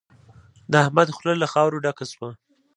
د احمد خوله له خاورو ډکه شوه.